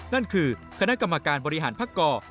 นั่นคือคณะกรรมการบริหารพักก่อ